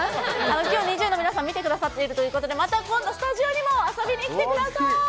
きょう、ＮｉｚｉＵの皆さん、見てくださっているということで、また今度、スタジオにも遊びに来